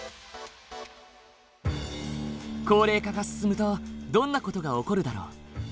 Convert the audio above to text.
高齢化が進むとどんな事が起こるだろう？